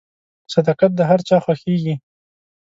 • صداقت د هر چا خوښیږي.